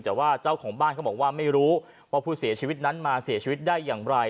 แต่ว่าเจ้าของบ้านเขาบอกว่าไม่รู้ว่าผู้เสียชีวิตนั้นมาเสียชีวิตได้อย่างไร